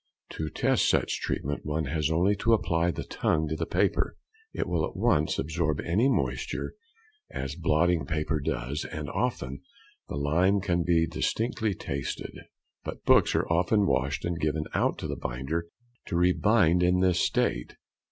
To test such treatment one has only to apply the tongue to the paper, it will at once absorb any moisture, as blotting paper does, and often the lime can be distinctly tasted. But books are often washed and given out to the binder to rebind in this state.